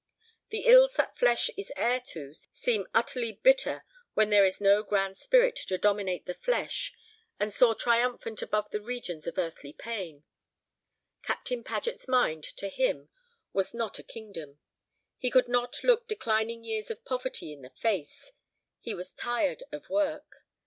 The ills that flesh is heir to seem utterly bitter when there is no grand spirit to dominate the flesh, and soar triumphant above the regions of earthly pain. Captain Paget's mind, to him, was not a kingdom. He could not look declining years of poverty in the face; he was tired of work.